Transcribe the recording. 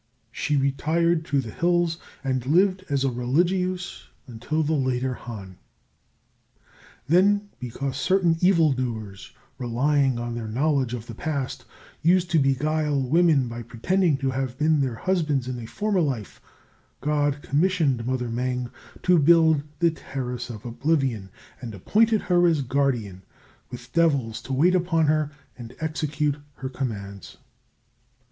She retired to the hills and lived as a religieuse until the Later Han. Then, because certain evil doers, relying on their knowledge of the past, used to beguile women by pretending to have been their husbands in a former life, God commissioned Mother Mêng to build the Terrace of Oblivion, and appointed her as guardian, with devils to wait upon her and execute her commands.